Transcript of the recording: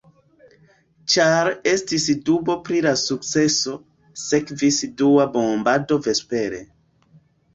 Ĉar estis dubo pri la sukceso, sekvis dua bombado vespere.